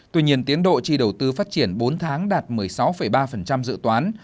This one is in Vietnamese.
tuy nhiên tiến độ chi đầu tư phát triển bốn tháng đạt một mươi sáu ba dự toán